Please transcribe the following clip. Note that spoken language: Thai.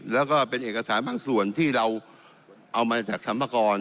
แล้วก็เป็นเอกสารบางส่วนที่เราเอามาจากธรรมกร